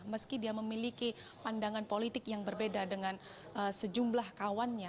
meski dia memiliki pandangan politik yang berbeda dengan sejumlah kawannya